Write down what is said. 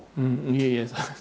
いえいえ。